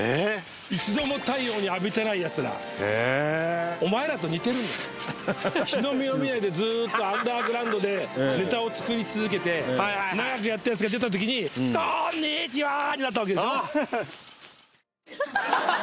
一度も太陽に浴びてないやつらお前らと似てるんだ日の目を見ないでずっとアンダーグラウンドでネタを作り続けて長くやったやつが出た時に「こーんにーちはー！」になったわけでしょ？